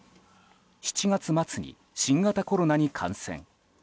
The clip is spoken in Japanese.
７月末に新型コロナに感染。